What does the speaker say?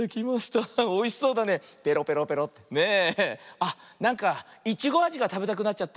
あっなんかイチゴあじがたべたくなっちゃった。